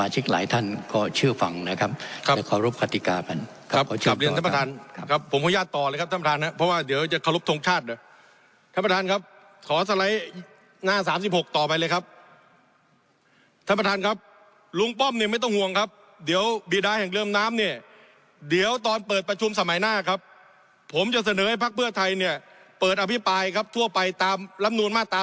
จะเสนอให้ภักดิ์เพื่อไทยเนี่ยเปิดอภิปายครับทั่วไปตามลำนวลมาตร